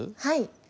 はい。